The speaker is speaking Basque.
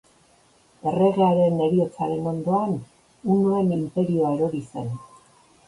Erregearen heriotzaren ondoan, hunoen inperioa erori zen.